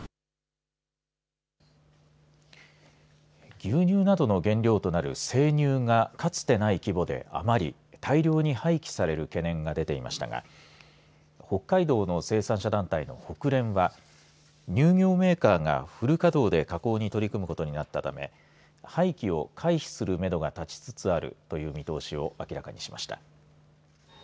牛乳などの原料となる生乳がかつてない規模で余り大量に廃棄される懸念が出ていましたが北海道の生産者団体のホクレンは乳業メーカーがフル稼働で加工に取り組むことになったため廃棄を回避するめどが立ちつつあるという見通しを明らかにしました。